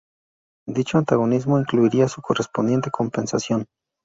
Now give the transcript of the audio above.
Dicho antagonismo incluiría su correspondiente compensación.